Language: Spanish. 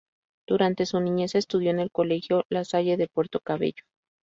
Durante su niñez estudió en el colegio La Salle de Puerto Cabello.